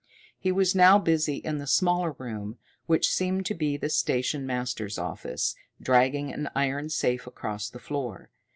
He was now busy in the smaller room, which seemed to be the station master's office, dragging an iron safe across the floor.